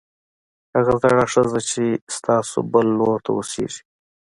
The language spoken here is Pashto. هغه زړه ښځه چې ستاسو بل لور ته اوسېږي